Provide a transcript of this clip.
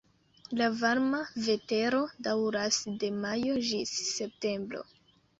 La varma vetero daŭras de majo ĝis septembro.